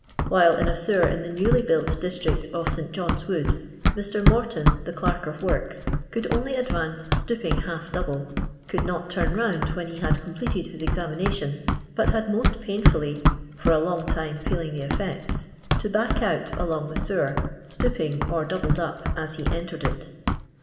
While in a sewer in the newly built district of St John'a wood, Mr. Morton, the Clerk of Works, could only advance stooping half double, could not turn round when he oad completed his examination, but had most painfully — for along time feeling the effects — to back out along the sewer, stooping, or doubled up, as he entered it.